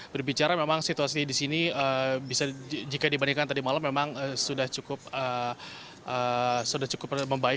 berbicara memang situasi di sini jika dibandingkan tadi malam memang sudah cukup membaik